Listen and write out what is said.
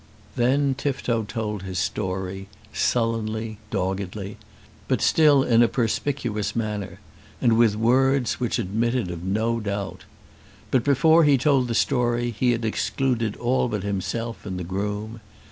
Then Tifto told his story, sullenly, doggedly, but still in a perspicuous manner, and with words which admitted of no doubt. But before he told the story he had excluded all but himself and the groom.